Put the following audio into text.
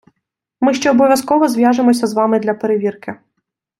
Ми ще обов'язково зв'яжемося з вами для перевірки.